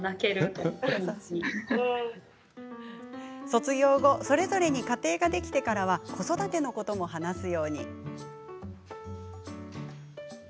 卒業後、それぞれに家庭ができてからは子育てのことも話すように。